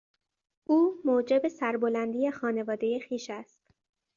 او موجب سربلندی خانوادهی خویش است.